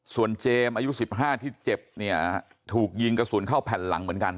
ส่วนเจมส์อายุ๑๕ที่เจ็บเนี่ยถูกยิงกระสุนเข้าแผ่นหลังเหมือนกัน